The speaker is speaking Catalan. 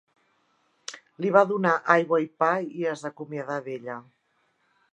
Li va donar aigua i pa i es acomiadar d"ella.